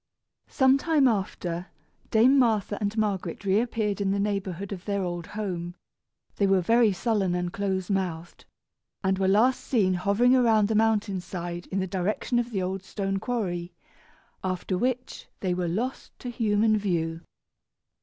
Some time after, Dame Martha and Margaret reappeared in the neighborhood of their old home. They were very sullen and close mouthed, and were last seen hovering around the mountain side in the direction of the old stone quarry, after which they were lost to human view.